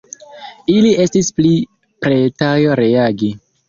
Ili estis pli pretaj reagi.